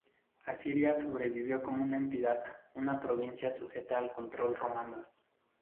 Asiria sobrevivió como una entidad, una provincia sujeta al control romano.